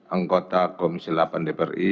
anggota komisi delapan dpi